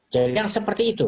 jadi yang seperti itu